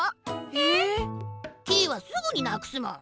えっ！？キイはすぐになくすもん！